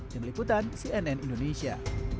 demikian cnn indonesia